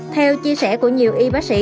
theo chia sẻ của nhiều y bác sĩ